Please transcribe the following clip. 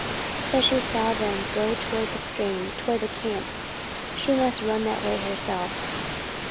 But she saw them go toward the stream, toward the camp. She must run that way herself.